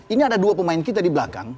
ini ada dua pemain kita di belakang